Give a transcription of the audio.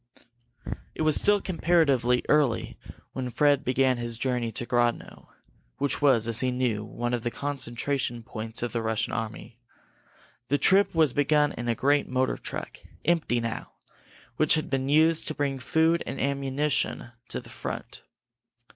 It was still comparatively early when Fred began his journey to Grodno, which was, as he knew, one of the concentration points of the Russian army. The trip was begun in a great motor truck, empty now, which had been used to bring food and ammunition to the front.